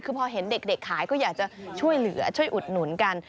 คือพอเห็นเด็กขายก็อยากจะช่วยเหลือช่วยอุดหนุนกัน